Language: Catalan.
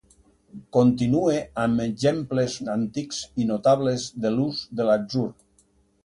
Continue amb exemples antics i notables de l'ús de l'atzur